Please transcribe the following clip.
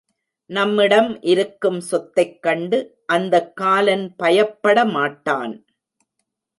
நம்மிடம் இருக்கும் சொத்தைக் கண்டு அந்தக் காலன் பயப்படமாட்டான்.